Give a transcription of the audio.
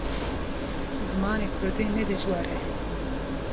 Zimanê Kurdî ne dijwar e.